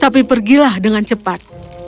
pergilah dengan cepat